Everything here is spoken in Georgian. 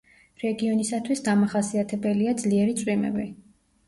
რეგიონისათვის დამახასიეთებელია ძლიერი წვიმები.